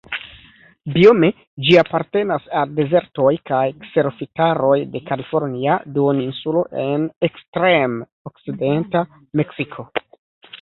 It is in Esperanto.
Biome ĝi apartenas al dezertoj kaj kserofitaroj de Kalifornia Duoninsulo en ekstrem-okcidenta Meksiko.